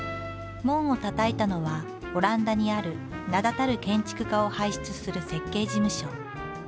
門をたたいたのはオランダにある名だたる建築家を輩出する設計事務所。